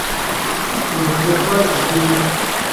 Qucixê xwe ji bîr neke.